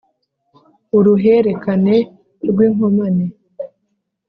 Uruherekane rw'inkomane